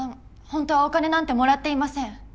本当はお金なんて貰っていません。